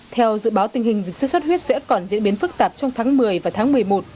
theo dự báo tình hình dịch sốt xuất huyết sẽ còn diễn biến phức tạp trong tháng một mươi và tháng một mươi một